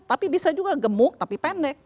tapi bisa juga gemuk tapi pendek